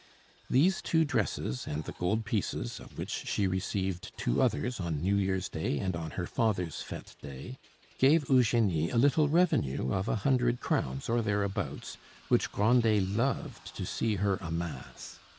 These two dresses and the gold pieces, of which she received two others on New Year's day and on her father's fete day, gave Eugenie a little revenue of a hundred crowns or thereabouts, which Grandet loved to see her amass.